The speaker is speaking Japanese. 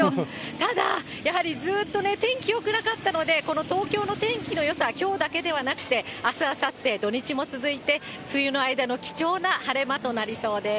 ただ、やはりずっとね、天気よくなかったので、この東京の天気のよさ、きょうだけではなくて、あす、あさって、土日も続いて、梅雨の間の貴重な晴れ間となりそうです。